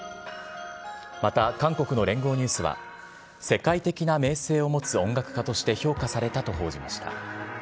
また、韓国の聯合ニュースは、世界的な名声を持つ音楽家として評価されたと報じました。